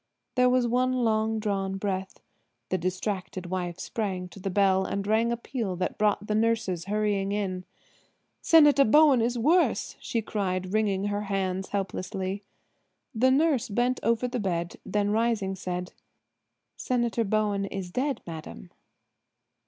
There was one long drawn breath. The distracted wife sprang to the bell and rang a peal that brought the nurses hurrying in. "Senator Bowen is worse!" she cried, wringing her hands helplessly. The head nurse bent over the bed, then rising, said: "Senator Bowen is dead, madam."